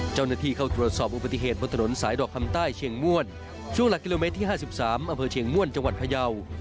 เจ้าหน้าที่เข้าตรวจสอบอุบัติเหตุบนถนนสายดอกคำใต้เชียงม่วนช่วงหลักกิโลเมตรที่๕๓อำเภอเชียงม่วนจังหวัดพยาว